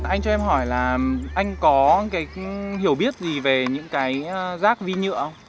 anh cho em hỏi là anh có cái hiểu biết gì về những cái rác vi nhựa